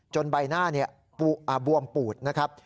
ใบหน้าบวมปูดนะครับ